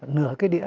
nửa cái đĩa